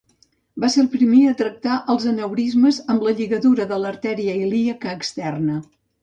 Va ser el primer a tractar els aneurismes amb la lligadura de l'artèria ilíaca externa.